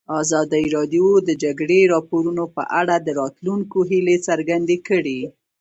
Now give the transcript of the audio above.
ازادي راډیو د د جګړې راپورونه په اړه د راتلونکي هیلې څرګندې کړې.